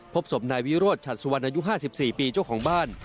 พบศพนายวิโรธฉัดสุวรรณอายุ๕๔ปีเจ้าของบ้าน